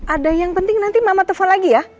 ada yang penting nanti mama telepon lagi ya